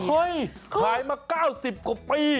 เฮ่ยขายมา๙๐กว่าปี